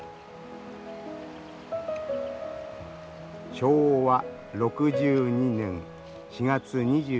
昭和６２年４月２９日。